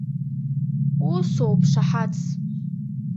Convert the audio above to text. Усоуп шаҳаҭс!